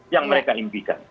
yang mereka impikan